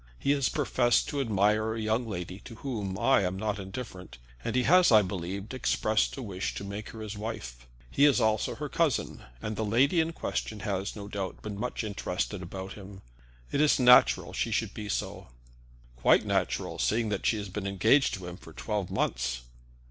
He has professed to admire a young lady to whom I am not indifferent, and has, I believe, expressed a wish to make her his wife. He is also her cousin, and the lady in question has, no doubt, been much interested about him. It is natural that she should be so." "Quite natural seeing that she has been engaged to him for twelve months."